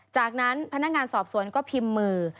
จากนั้นพนักงานสอบสวนก็พิมพ์มือ